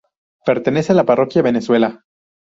Pertenece a la Parroquia Venezuela.